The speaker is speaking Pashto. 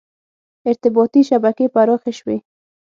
• ارتباطي شبکې پراخې شوې.